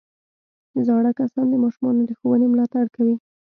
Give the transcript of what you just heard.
زاړه کسان د ماشومانو د ښوونې ملاتړ کوي